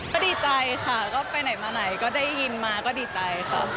ก็ดีใจค่ะก็ไปไหนมาไหนก็ได้ยินมาก็ดีใจค่ะ